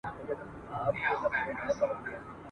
ځوانان د ویني د تویېدو سره مقاومت کوي.